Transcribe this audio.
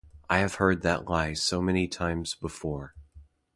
I have heard that lie so many times before.